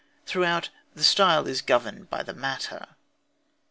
Throughout, the style is governed by the matter.